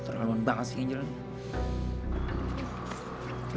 terlalu bangas si angel ini